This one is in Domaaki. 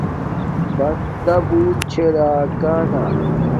بندا بوت چھے راکانا